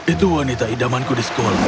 itu wanita idamanku di sekolah